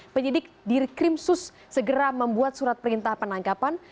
penyidik diri krimsus segera membuat surat perintah penangkapan